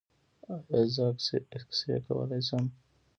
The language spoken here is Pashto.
ایا زه اکسرې کولی شم؟